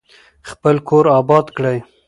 خپل کور اباد کړئ.